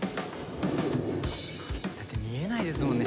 だって見えないですもんね